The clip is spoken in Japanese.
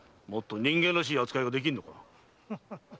もっと人間らしい扱いはできんのか？